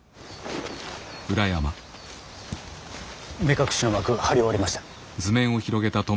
目隠しの幕張り終わりました。